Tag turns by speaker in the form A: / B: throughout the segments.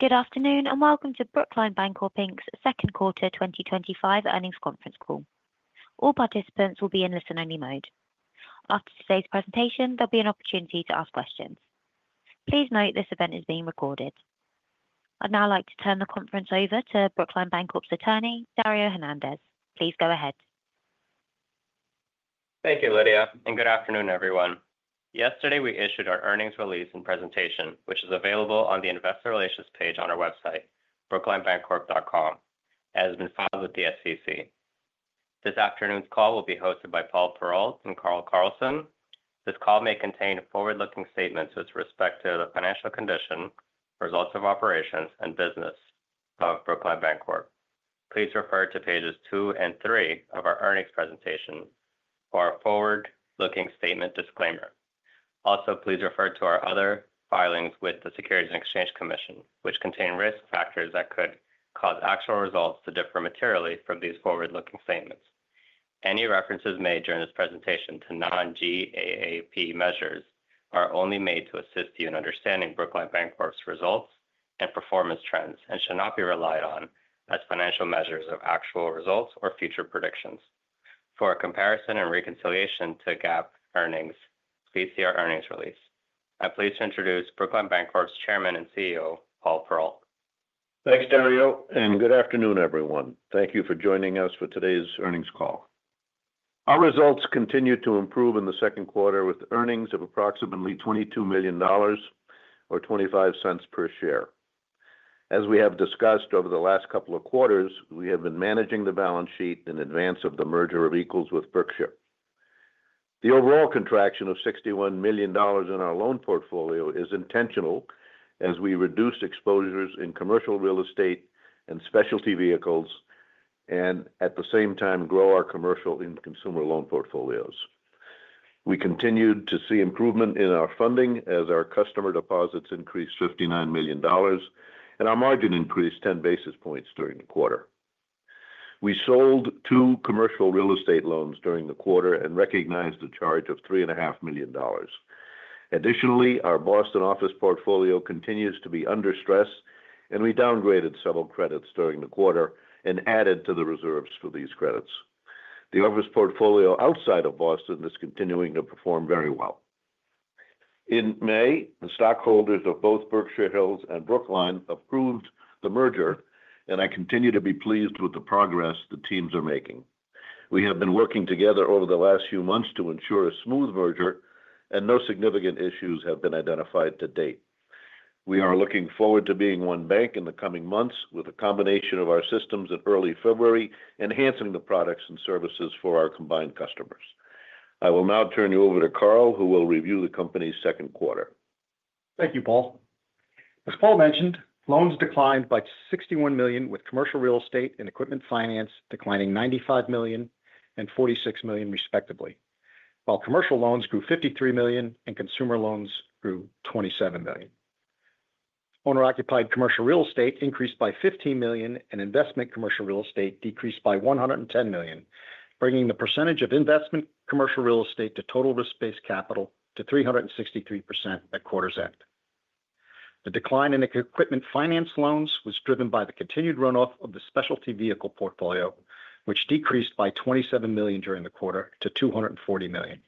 A: Good afternoon and welcome to Brookline Bancorp Inc.'s second quarter 2025 earnings conference call. All participants will be in listen-only mode. After today's presentation, there'll be an opportunity to ask questions. Please note this event is being recorded. I'd now like to turn the conference over to Brookline Bancorp's Attorney, Dario Hernandez. Please go ahead.
B: Thank you, Lydia, and good afternoon, everyone. Yesterday, we issued our earnings release and presentation, which is available on the Investor Relations page on our website, brooklinebancorp.com, and has been filed with the SEC. This afternoon's call will be hosted by Paul Perrault and Carl Carlson. This call may contain forward-looking statements with respect to the financial condition, results of operations, and business of Brookline Bancorp. Please refer to pages two and three of our earnings presentation for our forward-looking statement disclaimer. Also, please refer to our other filings with the Securities and Exchange Commission, which contain risk factors that could cause actual results to differ materially from these forward-looking statements. Any references made during this presentation to non-GAAP measures are only made to assist you in understanding Brookline Bancorp's results and performance trends and should not be relied on as financial measures of actual results or future predictions. For a comparison and reconciliation to GAAP earnings, please see our earnings release. I'm pleased to introduce Brookline Bancorp's Chairman and CEO, Paul Perrault.
C: Thanks, Dario, and good afternoon, everyone. Thank you for joining us for today's earnings call. Our results continue to improve in the second quarter with earnings of approximately $22 million or $0.25 per share. As we have discussed over the last couple of quarters, we have been managing the balance sheet in advance of the merger of equals with Berkshire. The overall contraction of $61 million in our loan portfolio is intentional as we reduce exposures in commercial real estate and specialty vehicles and, at the same time, grow our commercial and consumer loan portfolios. We continued to see improvement in our funding as our customer deposits increased $59 million and our margin increased 10 basis points during the quarter. We sold two commercial real estate loans during the quarter and recognized the charge of $3.5 million. Additionally, our Boston office portfolio continues to be under stress, and we downgraded several credits during the quarter and added to the reserves for these credits. The office portfolio outside of Boston is continuing to perform very well. In May, the stockholders of both Berkshire Hills and Brookline approved the merger, and I continue to be pleased with the progress the teams are making. We have been working together over the last few months to ensure a smooth merger, and no significant issues have been identified to date. We are looking forward to being one bank in the coming months with a combination of our systems in early February, enhancing the products and services for our combined customers. I will now turn you over to Carl, who will review the company's second quarter.
D: Thank you, Paul. As Paul mentioned, loans declined by $61 million with commercial real estate and equipment finance declining $95 million and $46 million, respectively, while commercial loans grew $53 million and consumer loans grew $27 million. Owner-occupied commercial real estate increased by $15 million, and investment commercial real estate decreased by $110 million, bringing the percentage of investment commercial real estate to total risk-based capital to 363% at quarter's end. The decline in equipment finance loans was driven by the continued runoff of the specialty vehicle portfolio, which decreased by $27 million during the quarter to $240 million.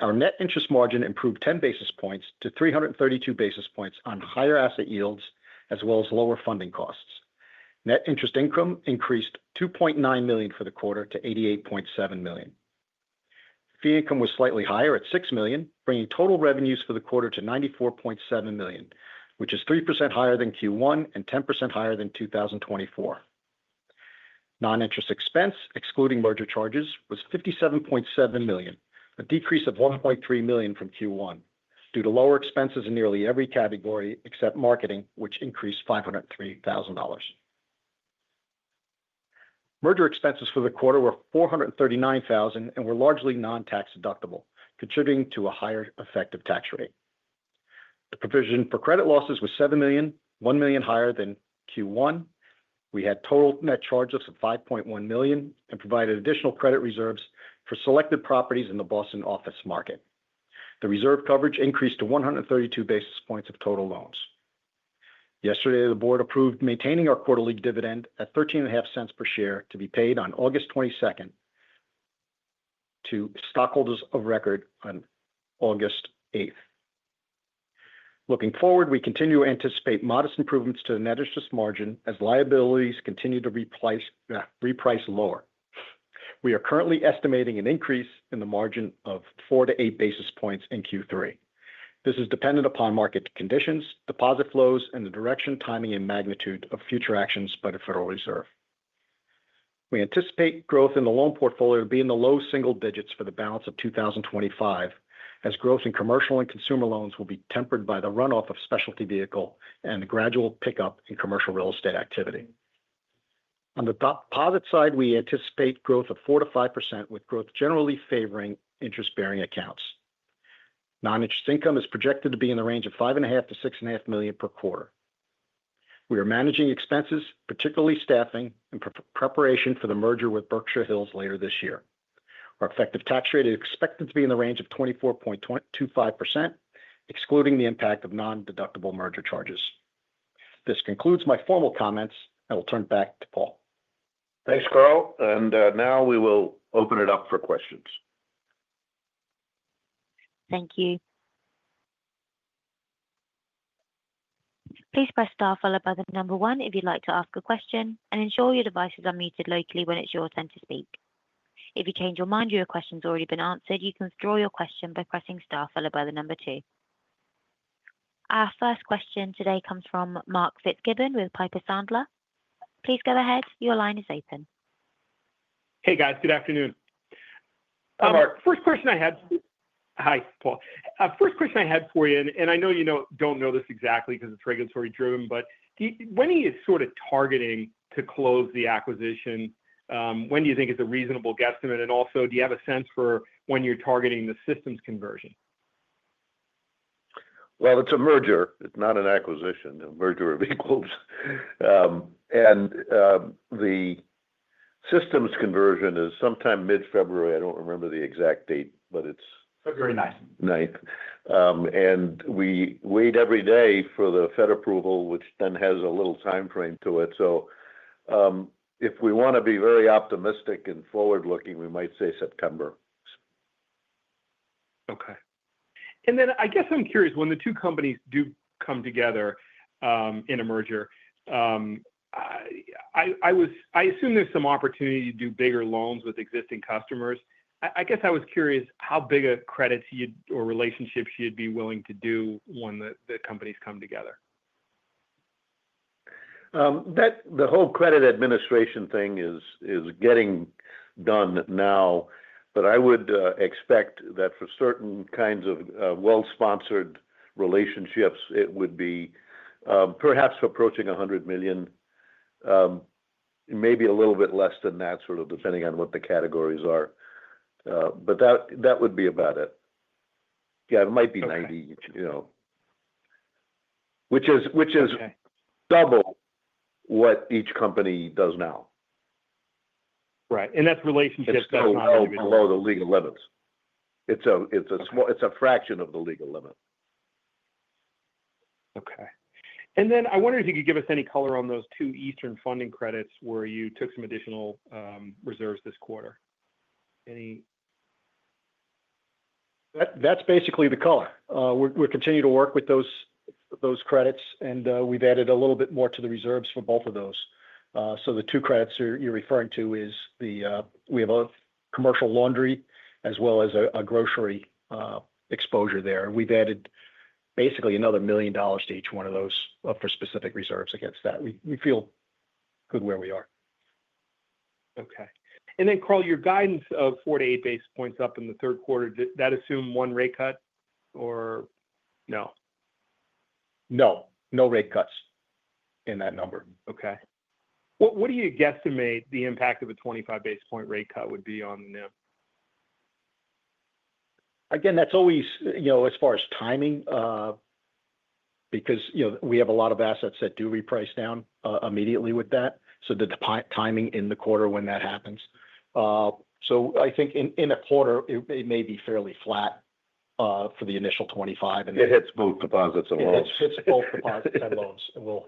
D: Our net interest margin improved 10 basis points to 332 basis points on higher asset yields as well as lower funding costs. Net interest income increased $2.9 million for the quarter to $88.7 million. Fee income was slightly higher at $6 million, bringing total revenues for the quarter to $94.7 million, which is 3% higher than Q1 and 10% higher than 2024. Non-interest expense, excluding merger charges, was $57.7 million, a decrease of $1.3 million from Q1 due to lower expenses in nearly every category except marketing, which increased $503,000. Merger expenses for the quarter were $439,000 and were largely non-tax deductible, contributing to a higher effective tax rate. The provision for credit losses was $7 million, $1 million higher than Q1. We had total net charges of $5.1 million and provided additional credit reserves for selected properties in the Boston office market. The reserve coverage increased to 132 basis points of total loans. Yesterday, the board approved maintaining our quarterly dividend at $0.135 per share to be paid on August 22 to stockholders of record on August 8. Looking forward, we continue to anticipate modest improvements to the net interest margin as liabilities continue to be repriced lower. We are currently estimating an increase in the margin of 4 to 8 basis points in Q3. This is dependent upon market conditions, deposit flows, and the direction, timing, and magnitude of future actions by the Federal Reserve. We anticipate growth in the loan portfolio being in the low single digits for the balance of 2025, as growth in commercial and consumer loans will be tempered by the runoff of specialty vehicle and the gradual pickup in commercial real estate activity. On the deposit side, we anticipate growth of 4%-5%, with growth generally favoring interest-bearing accounts. Non-interest income is projected to be in the range of $5.5 million-$6.5 million per quarter. We are managing expenses, particularly staffing and preparation for the merger with Berkshire Hills Bancorp later this year. Our effective tax rate is expected to be in the range of 24.25%, excluding the impact of non-deductible merger charges. This concludes my formal comments. I will turn it back to Paul.
C: Thanks, Carl. We will open it up for questions.
A: Thank you. Please press star followed by the number one if you'd like to ask a question and ensure your device is unmuted locally when it's your turn to speak. If you change your mind or your question's already been answered, you can withdraw your question by pressing star followed by the number two. Our first question today comes from Mark Fitzgibbon with Piper Sandler. Please go ahead. Your line is open.
E: Hey, guys. Good afternoon. First question I had, hi, Paul. First question I had for you, I know you don't know this exactly because it's regulatory driven, but when are you sort of targeting to close the acquisition? When do you think is a reasonable guesstimate? Also, do you have a sense for when you're targeting the systems conversion?
C: It's a merger. It's not an acquisition. It's a merger of equals, and the systems conversion is sometime mid-February. I don't remember the exact date, but it's.
E: February 9th.
C: 9th. We wait every day for the Fed approval, which then has a little time frame to it. If we want to be very optimistic and forward-looking, we might say September.
E: Okay. I guess I'm curious, when the two companies do come together in a merger, I assume there's some opportunity to do bigger loans with existing customers. I was curious how bigger credits or relationships you'd be willing to do when the companies come together.
C: The whole credit administration thing is getting done now, but I would expect that for certain kinds of well-sponsored relationships, it would be perhaps approaching $100 million, maybe a little bit less than that, depending on what the categories are. That would be about it. It might be $90 million, which is double what each company does now.
E: Right. That's relationships that are not.
C: Below the legal limits. It's a fraction of the legal limit.
E: Okay. I wonder if you could give us any color on those two Eastern Funding credits where you took some additional reserves this quarter.
D: That's basically the color. We're continuing to work with those credits, and we've added a little bit more to the reserves for both of those. The two credits you're referring to are the commercial laundry as well as a grocery exposure there. We've added basically another $1 million to each one of those for specific reserves against that. We feel good where we are.
E: Okay. Carl, your guidance of 4 to 8 basis points up in the third quarter, did that assume one rate cut or no?
D: No. No rate cuts in that number.
E: Okay. What do you guesstimate the impact of a 25 basis point rate cut would be on the NIM?
D: That's always, as far as timing, because we have a lot of assets that do reprice down immediately with that. The timing in the quarter when that happens, I think in a quarter, it may be fairly flat for the initial 25.
C: It hits both deposits and loans.
D: It hits both deposits and loans.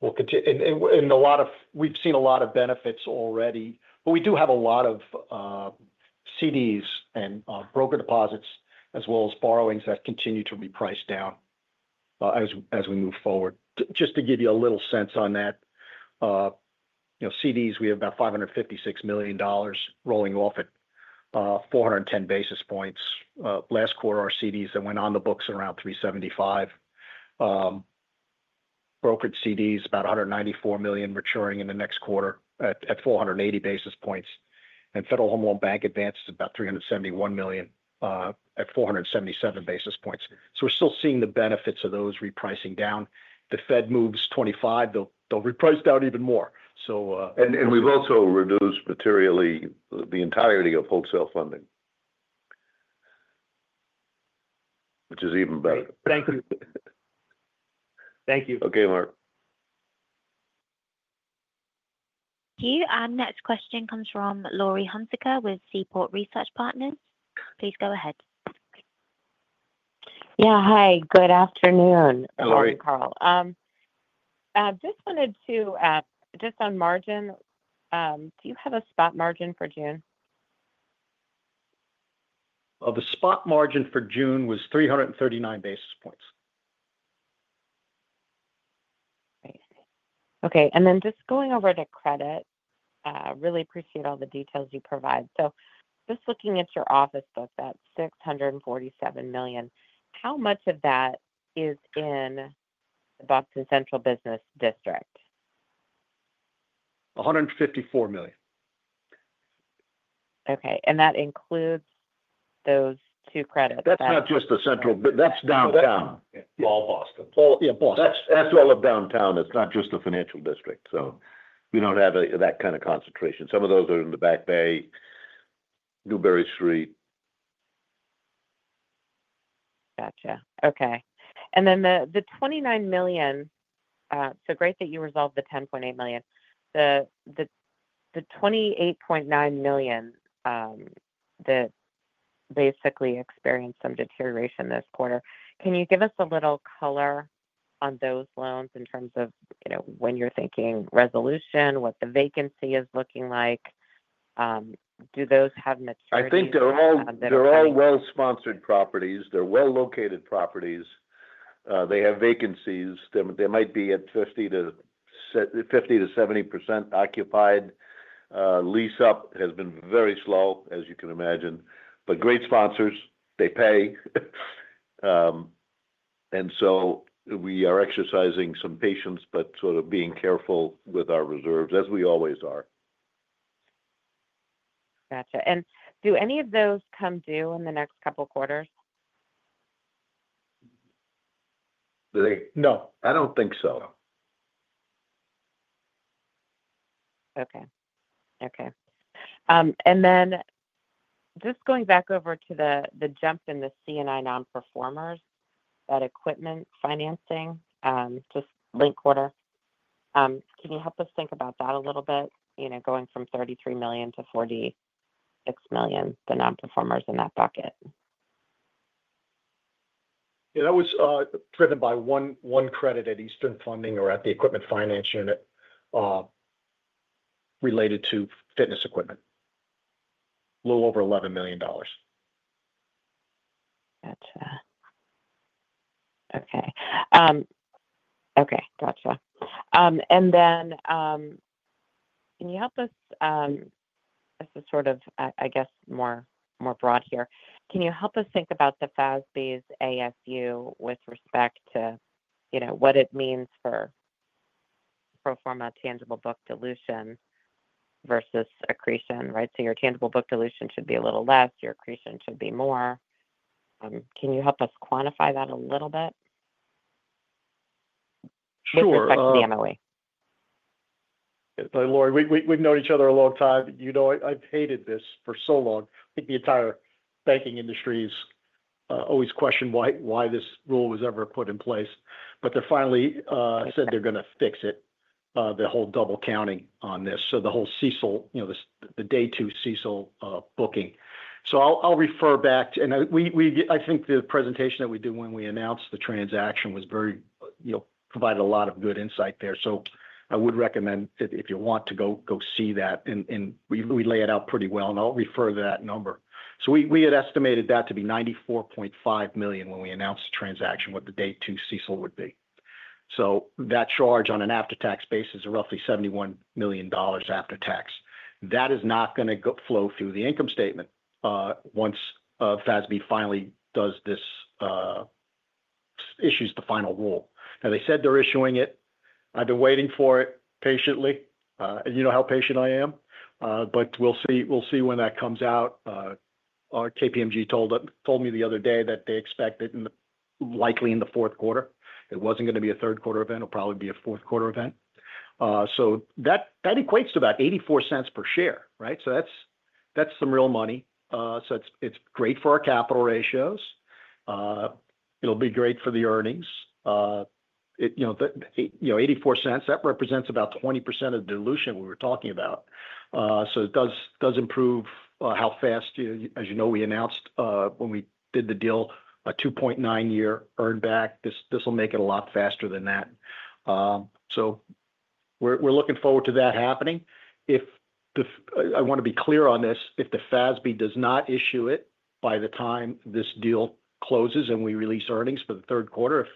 D: We'll continue. We've seen a lot of benefits already, but we do have a lot of CDs and brokered deposits as well as borrowings that continue to reprice down as we move forward. To give you a little sense on that, CDs, we have about $556 million rolling off at 410 basis points. Last quarter, our CDs that went on the books are around $375. Brokered CDs, about $194 million maturing in the next quarter at 480 basis points. Federal Home Loan Bank advances about $371 million at 477 basis points. We're still seeing the benefits of those repricing down. If the Fed moves 25, they'll reprice down even more.
C: We have also reduced materially the entirety of wholesale funding, which is even better.
D: Thank you.
E: Thank you.
C: Okay, Mark.
A: Our next question comes from Laurie Hunsicker with Seaport Research Partners. Please go ahead.
F: Yeah, hi. Good afternoon.
B: Hello, Laurie.
F: I just wanted to ask, just on margin, do you have a spot margin for June?
D: The spot margin for June was 339 basis points.
F: Great. Okay. Just going over to credit, I really appreciate all the details you provide. Just looking at your office book, that's $647 million. How much of that is in the Boston Central Business District?
D: $154 million.
F: Okay. That includes those two credits.
C: That's not just the Central, that's downtown.
D: All Boston.
C: Yeah, Boston. That's all of downtown. It's not just the Financial District. We don't have that kind of concentration. Some of those are in the Back Bay, Newbury Street.
F: Gotcha. Okay. The $29 million, so great that you resolved the $10.8 million. The $28.9 million that basically experienced some deterioration this quarter, can you give us a little color on those loans in terms of, you know, when you're thinking resolution, what the vacancy is looking like? Do those have maturity?
C: I think they're all well-sponsored properties. They're well-located properties. They have vacancies. They might be at 50%-70% occupied. Lease-up has been very slow, as you can imagine. Great sponsors. They pay. We are exercising some patience, but sort of being careful with our reserves, as we always are.
F: Gotcha. Do any of those come due in the next couple of quarters?
C: Do they? No, I don't think so.
F: Okay. Okay. Just going back over to the jump in the C&I non-performers, that equipment financing, just late quarter. Can you help us think about that a little bit? You know, going from $33 million-$46 million, the non-performers in that bucket.
D: Yeah, that was driven by one credit at Eastern Funding or at the Equipment Finance Unit related to fitness equipment, a little over $11 million.
F: Gotcha. Okay. Can you help us, this is sort of, I guess, more broad here. Can you help us think about the FASB ASU with respect to, you know, what it means for pro forma tangible book dilution versus accretion, right? Your tangible book dilution should be a little less. Your accretion should be more. Can you help us quantify that a little bit with respect to the MOE?
D: Laurie, we've known each other a long time. You know, I've hated this for so long. I think the entire banking industry has always questioned why this rule was ever put in place. They finally said they're going to fix it, the whole double counting on this. The whole CECL, the day-two CECL booking. I'll refer back to, and I think the presentation that we do when we announce the transaction was very, you know, provided a lot of good insight there. I would recommend, if you want to go see that, and we lay it out pretty well. I'll refer to that number. We had estimated that to be $94.5 million when we announced the transaction, what the day-two CECL would be. That charge on an after-tax basis is roughly $71 million after-tax. That is not going to flow through the income statement once FASB finally does this, issues the final rule. They said they're issuing it. I've been waiting for it patiently. You know how patient I am. We'll see when that comes out. Our KPMG told me the other day that they expect it likely in the fourth quarter. It wasn't going to be a third-quarter event. It'll probably be a fourth-quarter event. That equates to about $0.84 per share, right? That's some real money. It's great for our capital ratios. It'll be great for the earnings. $0.84, that represents about 20% of the dilution we were talking about. It does improve how fast, as you know, we announced when we did the deal, a 2.9-year earn-back. This will make it a lot faster than that. We're looking forward to that happening. I want to be clear on this, if the FASB does not issue it by the time this deal closes and we release earnings for the third quarter,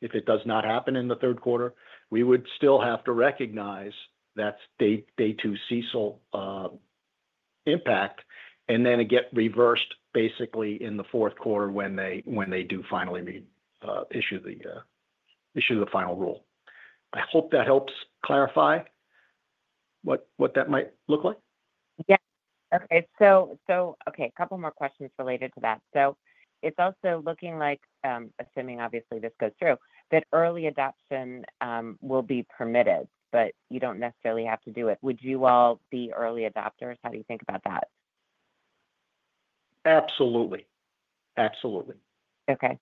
D: if it does not happen in the third quarter, we would still have to recognize that day-two CECL impact, and then it gets reversed basically in the fourth quarter when they do finally issue the final rule. I hope that helps clarify what that might look like.
F: Yes. Okay, a couple more questions related to that. It's also looking like, assuming, obviously, this goes through, that early adoption will be permitted, but you don't necessarily have to do it. Would you all be early adopters? How do you think about that?
D: Absolutely. Absolutely.
F: Okay.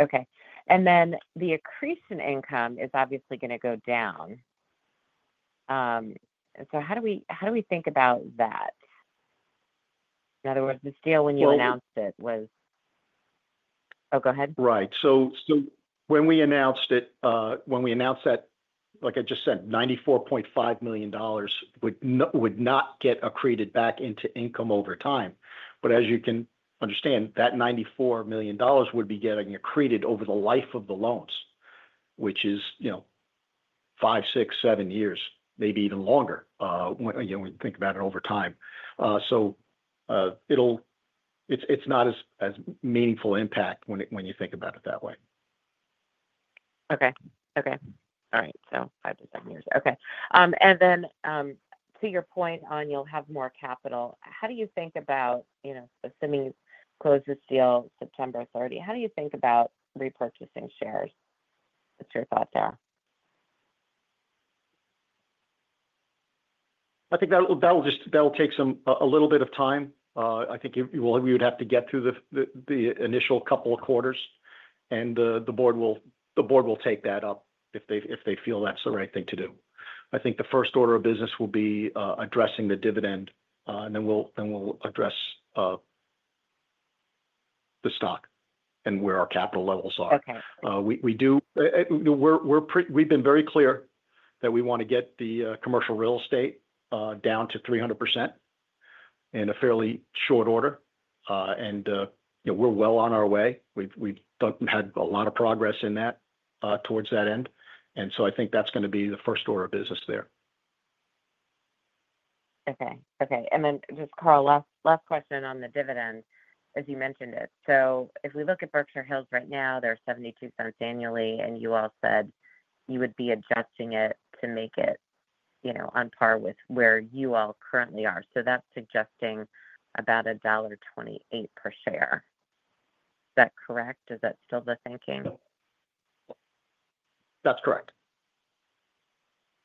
F: Okay. The accretion income is obviously going to go down. How do we think about that? In other words, this deal when you announced it was, oh, go ahead.
D: Right. When we announced it, like I just said, $94.5 million would not get accreted back into income over time. As you can understand, that $94 million would be getting accreted over the life of the loans, which is, you know, five, six, seven years, maybe even longer when you think about it over time. It is not as meaningful an impact when you think about it that way.
F: All right. So five to seven years. To your point on you'll have more capital, how do you think about, you know, assuming you close this deal September 30, how do you think about repurchasing shares? What's your thought there?
D: I think that'll just take a little bit of time. I think we would have to get through the initial couple of quarters, and the board will take that up if they feel that's the right thing to do. I think the first order of business will be addressing the dividend, and then we'll address the stock and where our capital levels are. We've been very clear that we want to get the commercial real estate down to 300% in a fairly short order. We're well on our way. We've had a lot of progress towards that end. I think that's going to be the first order of business there.
F: Okay. Carl, last question on the dividend, as you mentioned it. If we look at Berkshire Hills right now, they're $0.72 annually, and you all said you would be adjusting it to make it, you know, on par with where you all currently are. That's suggesting about $1.28 per share. Is that correct? Is that still the thinking?
D: That's correct.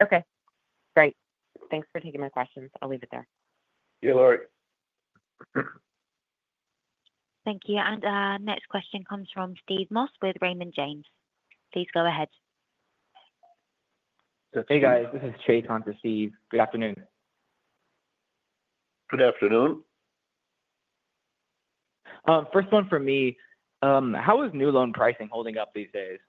F: Okay. Great. Thanks for taking my questions. I'll leave it there.
C: Yeah, Laurie.
A: Thank you. The next question comes from Steve Moss with Raymond James. Please go ahead.
G: Hey, guys. This is Chase on for Steve. Good afternoon.
C: Good afternoon.
G: First one for me. How is new loan pricing holding up these days?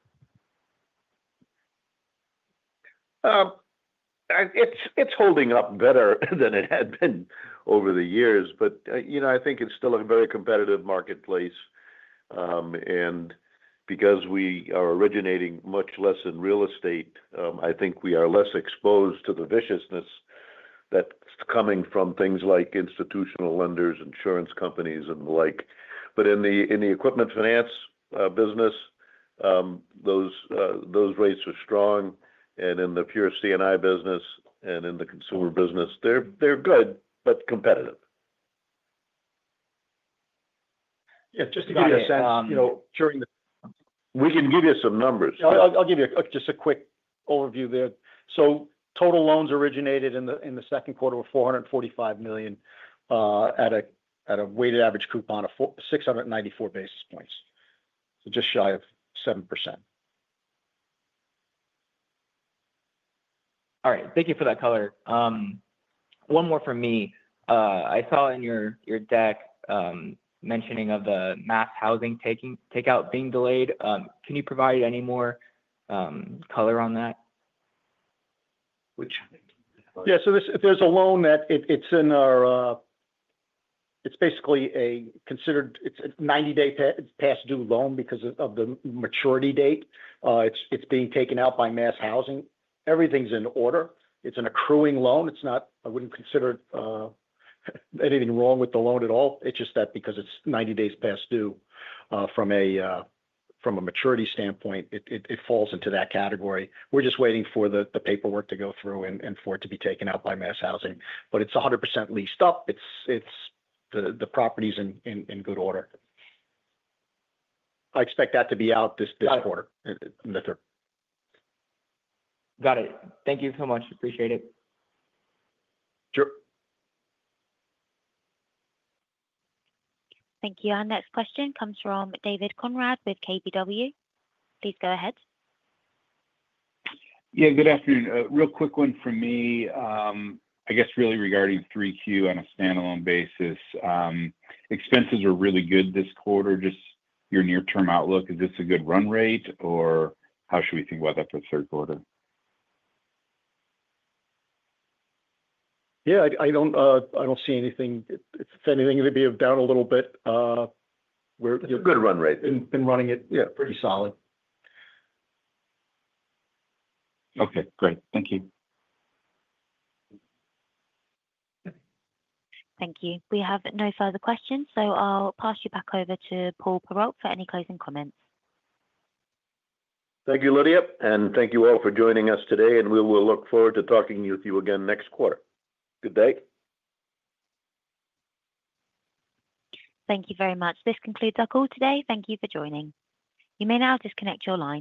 C: It's holding up better than it had been over the years, but I think it's still a very competitive marketplace. Because we are originating much less in real estate, I think we are less exposed to the viciousness that's coming from things like institutional lenders, insurance companies, and the like. In the equipment finance business, those rates are strong. In the pure C&I business and in the consumer business, they're good but competitive.
D: Yeah, just to give you a sense, during the.
C: We can give you some numbers.
D: I'll give you just a quick overview there. Total loans originated in the second quarter were $445 million at a weighted average coupon of 694 basis points, just shy of 7%.
G: All right. Thank you for that color. One more for me. I saw in your deck mentioning of the MassHousing takeout being delayed. Can you provide any more color on that?
D: There's a loan that is in our, it's basically considered a 90-day past-due loan because of the maturity date. It's being taken out by MassHousing. Everything's in order. It's an accruing loan. I wouldn't consider anything wrong with the loan at all. It's just that because it's 90 days past due from a maturity standpoint, it falls into that category. We're just waiting for the paperwork to go through and for it to be taken out by MassHousing. It's 100% leased up. The property's in good order. I expect that to be out this quarter.
G: Got it. Thank you so much. Appreciate it.
D: Sure.
A: Thank you. Our next question comes from David Conrad with KBW. Please go ahead.
H: Yeah. Good afternoon. Real quick one for me. I guess really regarding 3Q on a standalone basis, expenses are really good this quarter. Just your near-term outlook, is this a good run rate, or how should we think about that for the third quarter?
D: Yeah, I don't see anything. If anything, it'd be down a little bit.
G: It's a good run rate.
D: Been running it, yeah, pretty solid.
H: Okay. Great. Thank you.
A: Thank you. We have no further questions, so I'll pass you back over to Paul Perrault for any closing comments.
C: Thank you, Lydia, and thank you all for joining us today. We will look forward to talking with you again next quarter. Good day.
A: Thank you very much. This concludes our call today. Thank you for joining. You may now disconnect your line.